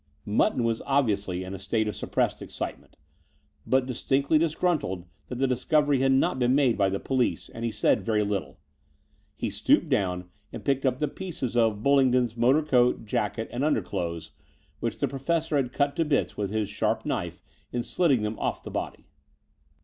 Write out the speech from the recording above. Mutton was obviously in a state of suppressed excitement, but distinctly disgruntled that the discovery had not been made by the police; and he said very little. He stooped down and picked up the pieces of Bullingdon's motor coat, jacket, and underclothes, which the Professor had cut to bits with his sharp knife in slitting them off the body.